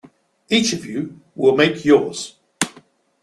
Each of you will make yours.